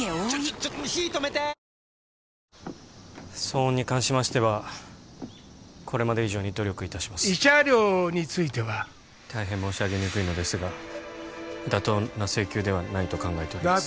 騒音に関しましてはこれまで以上に努力いたします慰謝料については？大変申し上げにくいのですが妥当な請求ではないと考えております